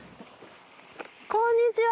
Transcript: こんにちは。